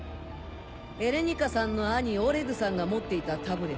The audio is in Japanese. エレニカさんの兄オレグさんが持っていたタブレット。